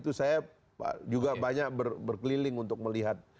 itu saya juga banyak berkeliling untuk melihat